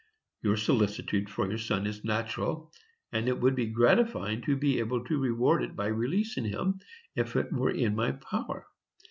Your solicitude for your son is natural, and it would be gratifying to be able to reward it by releasing him, if it were in my power.